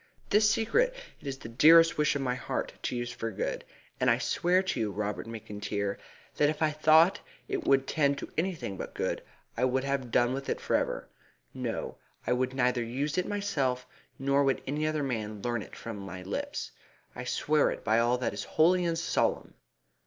This secret it is the dearest wish of my heart to use for good, and I swear to you, Robert McIntyre, that if I thought it would tend to anything but good I would have done with it for ever. No, I would neither use it myself nor would any other man learn it from my lips. I swear it by all that is holy and solemn!"